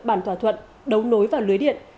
bàn thỏa thuận đấu nối và lưới điện